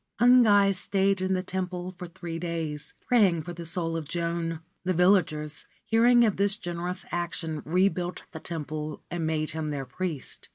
Ungai stayed in the temple for three days, praying for the soul of Joan. The villagers, hearing of this generous action, rebuilt the temple and made him their priest.